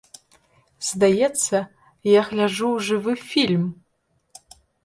Здаецца, я гляджу жывы фільм!